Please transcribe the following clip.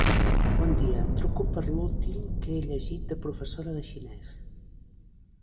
Bon dia, truco per l'últim que he llegit de professora de xinès.